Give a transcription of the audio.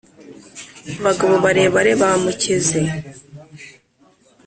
abagabo barebare bamukeze